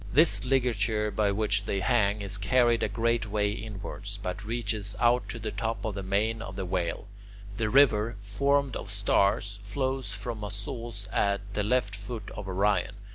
This ligature by which they hang is carried a great way inwards, but reaches out to the top of the mane of the Whale. The River, formed of stars, flows from a source at the left foot of Orion.